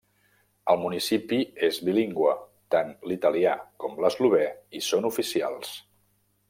El municipi és bilingüe, tant l'italià com l'eslovè hi són oficials.